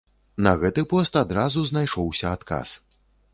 На гэты пост адразу знайшоўся адказ.